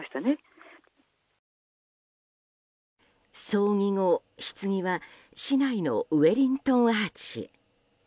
葬儀後、ひつぎは市内のウェリントン・アーチへ。